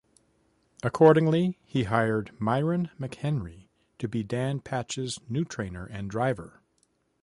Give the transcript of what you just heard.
Accordingly, he hired Myron McHenry to be Dan Patch's new trainer and driver.